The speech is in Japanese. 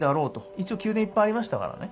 一応宮殿いっぱいありましたらからね。